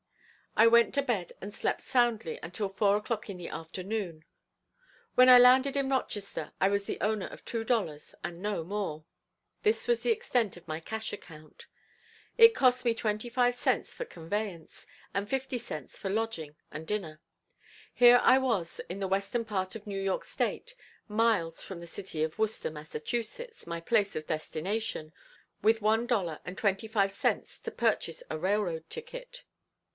I went to bed and slept soundly until four o'clock in the afternoon. When I landed in Rochester I was the owner of two dollars and no more. This was the extent of my cash account. It cost me twenty five cents for conveyance, and fifty cents for lodging and dinner. Here I was in the western part of New York state, miles from the city of Worcester, Mass., my place of destination, with one dollar and twenty five cents to purchase a railroad ticket.